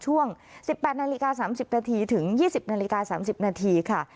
ช่วง๑๘นาฬิกา๓๐นาทีถึง๒๐นาฬิกา๓๐นาทีค่ะ